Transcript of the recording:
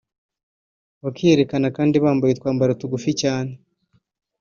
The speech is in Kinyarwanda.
bakiyerekana kandi bambaye utwambaro tugufi cyane